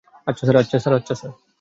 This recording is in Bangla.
আচ্ছা, স্যার!